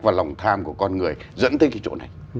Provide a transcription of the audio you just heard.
và lòng tham của con người dẫn tới cái chỗ này